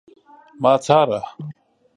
ما څاره